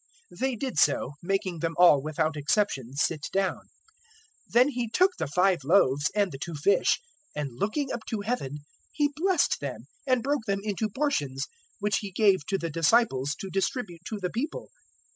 009:015 They did so, making them all, without exception, sit down. 009:016 Then He took the five loaves and the two fish, and looking up to Heaven He blessed them and broke them into portions which He gave to the disciples to distribute to the people.